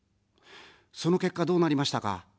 その結果、どうなりましたか。